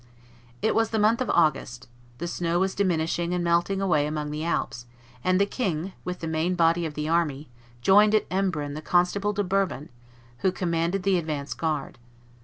It was the month of August; the snow was diminishing and melting away among the Alps; and the king, with the main body of the army, joined at Embrun the Constable de Bourbon, who commanded the advance guard.